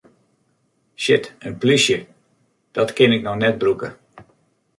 Shit, in plysje, dat kin ik no net brûke!